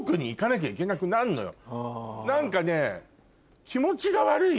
何かね。